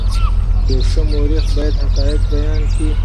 یو ښه مورخ باید حقایق بیان کړي.